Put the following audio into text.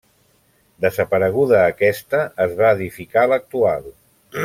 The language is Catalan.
Desapareguda aquesta es va edificar l'actual.